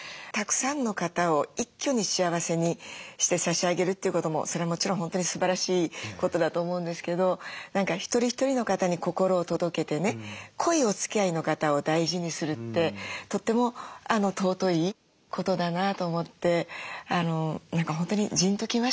たくさんの方を一挙に幸せにして差し上げるっていうこともそれはもちろん本当にすばらしいことだと思うんですけど何か一人一人の方に心を届けてね濃いおつきあいの方を大事にするってとっても尊いことだなと思って何か本当にジーンと来ました。